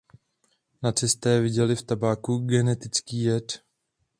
Nacisté viděli v tabáku "genetický jed".